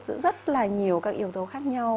giữa rất là nhiều các yếu tố khác nhau